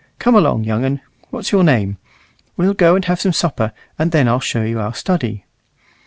Come along, young un. What's your name? We'll go and have some supper, and then I'll show you our study."